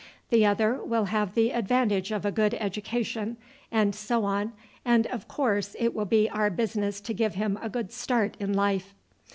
The other will have had the advantage of a good education and so on, and of course it will be our business to give him a good start in life."